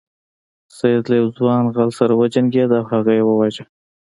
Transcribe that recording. سید له یو ځوان غل سره وجنګیده او هغه یې وواژه.